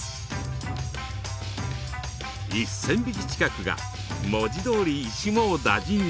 １，０００匹近くが文字どおり一網打尽に。